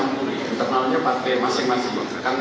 kami campuri internalnya partai masing masing